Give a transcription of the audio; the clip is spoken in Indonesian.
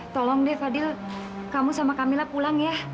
tolong deh fadhil kamu sama camilla pulang ya